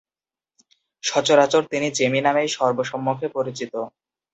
সচরাচর তিনি "জেমি" নামেই সর্বসমক্ষে পরিচিত।